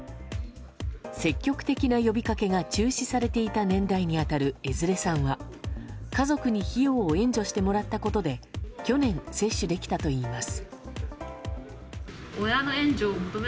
積極的な呼びかけが中止されていた年代に当たる江連さんは、家族に費用を援助してもらったことで去年、接種できたといいます。